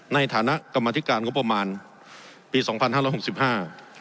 ในฐานะกรรมธิการงบประมาณปีสองพันห้าร้อยหกสิบห้า